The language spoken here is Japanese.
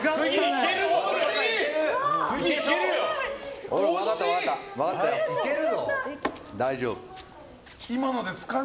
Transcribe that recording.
次、いけるよ！